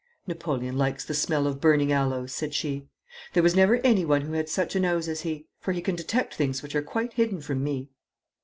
'Napoleon likes the smell of burning aloes,' said she. 'There was never anyone who had such a nose as he, for he can detect things which are quite hidden from me.'